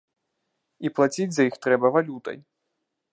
І плаціць за іх трэба валютай.